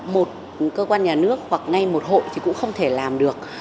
một cơ quan nhà nước hoặc ngay một hội thì cũng không thể làm được